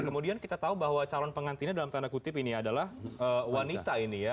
kemudian kita tahu bahwa calon pengantinnya dalam tanda kutip ini adalah wanita ini ya